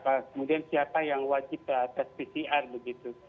kemudian siapa yang wajib tes pcr begitu